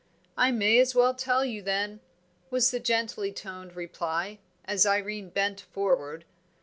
"I may as well tell you them," was the gently toned reply, as Irene bent forward.